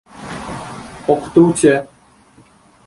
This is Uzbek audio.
O‘qituvchi: